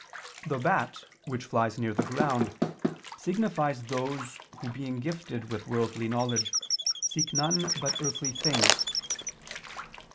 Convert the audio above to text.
The bat, which flies near the ground, signifies those who being gifted with worldly knowledge, seek none but earthly things.